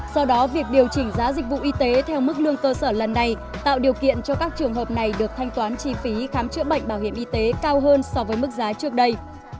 do đó việc điều chỉnh giá dịch vụ y tế theo mức lương cơ sở lần này tạo điều kiện cho các trường hợp này được thanh toán chi phí khám chữa bệnh bảo hiểm y tế cao hơn so với mức giá trước đây